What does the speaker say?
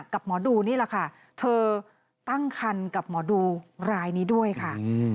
กับหมอดูนี่แหละค่ะเธอตั้งคันกับหมอดูรายนี้ด้วยค่ะ